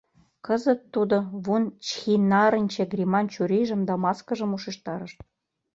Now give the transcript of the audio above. Кызыт тудо Вун-Чхиннарынче гриман чурийжым да маскыжым ушештарыш.